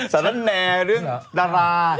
สละแหน่เรื่องดารา